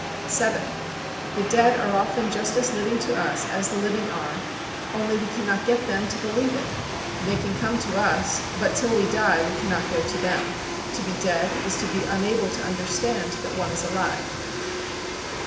vii The dead are often just as living to us as the living are, only we cannot get them to believe it. They can come to us, but till we die we cannot go to them. To be dead is to be unable to understand that one is alive.